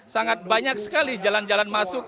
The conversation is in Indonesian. sangat banyak sekali jalan jalan masuk